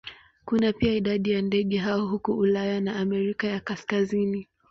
Kuna pia idadi ya ndege hao huko Ulaya na Amerika ya Kaskazini.